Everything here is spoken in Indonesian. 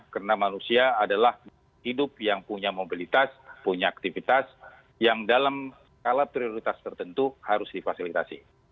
karena manusia adalah hidup yang punya mobilitas punya aktivitas yang dalam skala prioritas tertentu harus difasilitasi